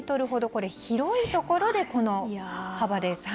これ、広いところでこの幅です。